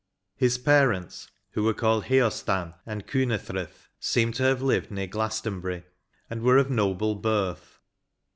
His parents, who were called Heorstan and Cynethryth, seem to have lived near Glastonbury, and were of noble birth.